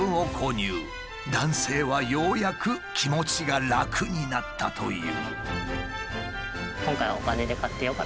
男性はようやく気持ちが楽になったという。